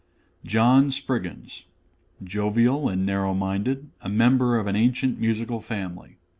JOHN SPRIGGINS _(jovial and narrow minded, a member of an ancient musical family).